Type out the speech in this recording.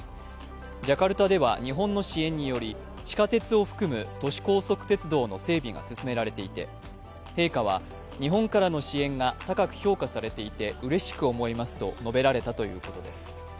ジャカルタでは日本の支援により地下鉄を含む都市高速鉄道の整備が進められていて、陛下は、日本からの支援が高く評価されていてうれしく思いますと述べられたということです。